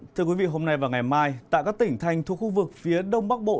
thưa quý vị hôm nay và ngày mai tại các tỉnh thành thuộc khu vực phía đông bắc bộ